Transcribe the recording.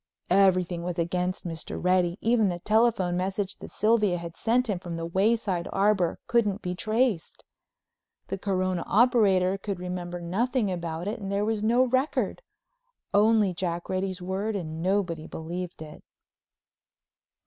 Everything was against Mr. Reddy, even the telephone message that Sylvia had sent him from the Wayside Arbor couldn't be traced. The Corona operator could remember nothing about it and there was no record—only Jack Reddy's word and nobody believed it.